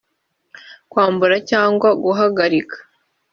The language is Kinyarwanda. kwambura cyangwa guhagarika